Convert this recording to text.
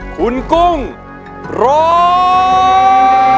คุณกุ้งร้อง